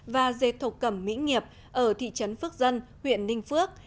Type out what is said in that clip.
và dây thục cầm mỹ nghiệp ở thị trấn phước dân huyện ninh phước